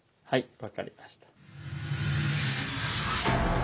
はい。